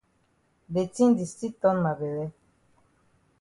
De tin di still ton ma bele.